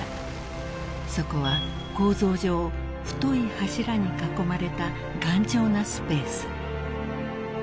［そこは構造上太い柱に囲まれた頑丈なスペース］